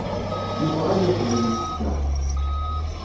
Yuba ad yeqbel isefka.